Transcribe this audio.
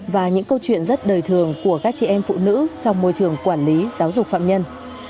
và những câu chuyện rất đời thường của các chị em phụ nữ trong môi trường quản lý giáo dục phạm nhân